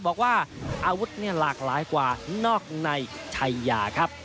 บอกว่าอาวุธเนี่ยหลากหลายกว่านอกในชัยยาครับ